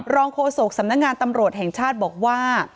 โฆษกสำนักงานตำรวจแห่งชาติบอกว่า